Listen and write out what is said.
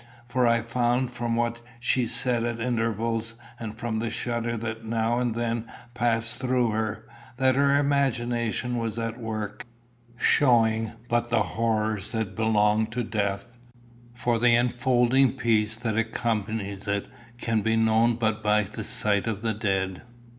For I found from what she said at intervals, and from the shudder that now and then passed through her, that her imagination was at work, showing but the horrors that belong to death; for the enfolding peace that accompanies it can be known but by sight of the dead.